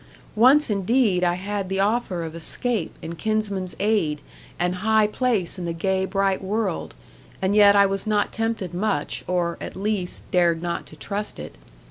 Once, indeed, I had the offer of escape, and kinsman's aid, and high place in the gay, bright world; and yet I was not tempted much, or, at least, dared not to trust it.